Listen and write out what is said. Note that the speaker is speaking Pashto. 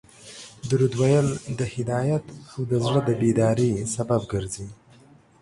درود ویل د هدایت او د زړه د بیداري سبب ګرځي